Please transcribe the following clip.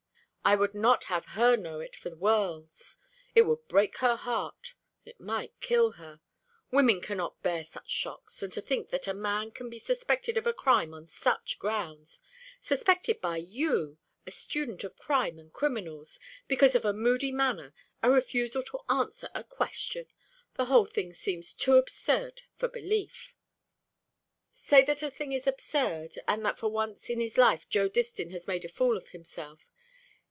"I would not have her know it for worlds. It would break her heart; it might kill her. Women cannot bear such shocks. And to think that a man can be suspected of a crime on such grounds suspected by you, a student of crime and criminals because of a moody manner, a refusal to answer a question! The whole thing seems too absurd for belief." "Say that the thing is absurd, and that for once in his life Joe Distin has made a fool of himself.